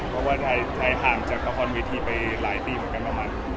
เพราะว่าไทยห่างจากละครเวทีไปหลายปีเหมือนกันประมาณ